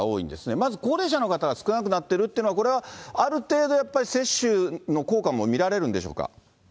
まず高齢者の方が少なくなっているというのは、これはある程度、やっぱり接種の効果も見られるんでしょうか。